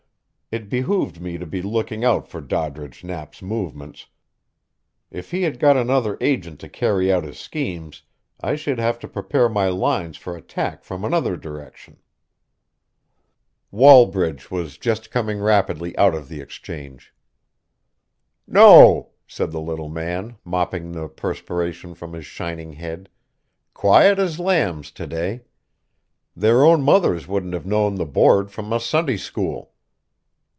It behooved me to be looking out for Doddridge Knapp's movements. If he had got another agent to carry out his schemes, I should have to prepare my lines for attack from another direction. Wallbridge was just coming rapidly out of the Exchange. "No," said the little man, mopping the perspiration from his shining head, "quiet as lambs to day. Their own mothers wouldn't have known the Board from a Sunday school."